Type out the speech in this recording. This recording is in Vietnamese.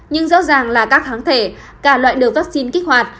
nhưng rõ ràng là các kháng thể cả loại được vaccine kích hoạt